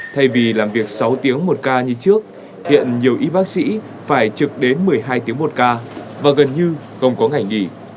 thay vì làm việc sáu tiếng một ca như trước hiện nhiều y bác sĩ phải trực đến một mươi hai tiếng một ca và gần như không có ngày nghỉ